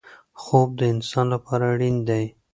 خوب د انسان لپاره اړین دی.